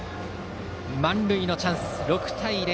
満塁のチャンス、６対０。